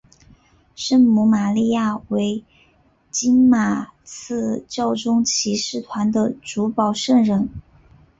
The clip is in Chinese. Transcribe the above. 圣母玛利亚为金马刺教宗骑士团的主保圣人。